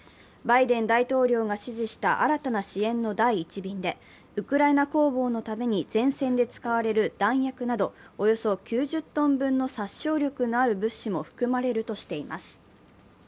バイデン大統領が指示した新たな支援の第１便でウクライナ防衛のために前線で使われる弾薬などおよそ９０ｔ分の殺傷力のある物資も含まれるとしています。